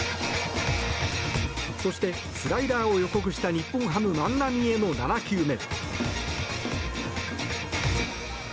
そして、スライダーを予告した日本ハム、万波への７球目。